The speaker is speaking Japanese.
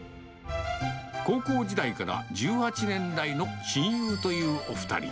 高校時代から１８年来の親友というお２人。